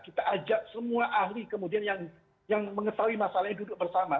kita ajak semua ahli kemudian yang mengetahui masalahnya duduk bersama